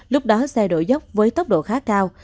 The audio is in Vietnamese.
lúc đó xe đổi dốc với tốc độ khá cao